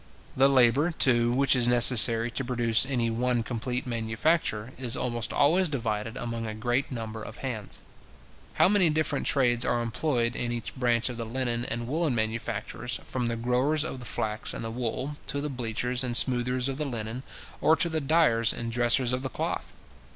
The labour, too, which is necessary to produce any one complete manufacture, is almost always divided among a great number of hands. How many different trades are employed in each branch of the linen and woollen manufactures, from the growers of the flax and the wool, to the bleachers and smoothers of the linen, or to the dyers and dressers of the cloth!